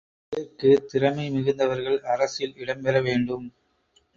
இதற்கு திறமை மிகுந்தவர்கள் அரசில் இடம் பெறவேண்டும்.